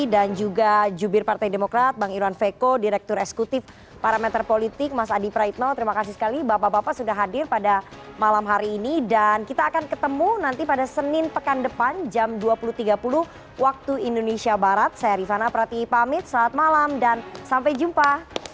dan juga jubir partai demokrat bang irwan feko direktur eksekutif parameter politik mas adi praitno terima kasih sekali bapak bapak sudah hadir pada malam hari ini dan kita akan ketemu nanti pada senin pekan depan jam dua puluh tiga puluh waktu indonesia barat saya rifana prati pamit selamat malam dan sampai jumpa